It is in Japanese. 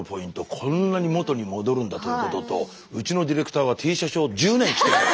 こんなに元に戻るんだということとうちのディレクターはＴシャツを１０年着てる。